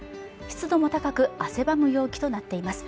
湿度も高く汗ばむ陽気となっています